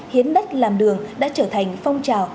hiến đất làm đường đã trở thành phong trào